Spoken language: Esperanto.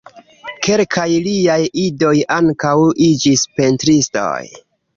Kelkaj liaj idoj ankaŭ iĝis pentristoj.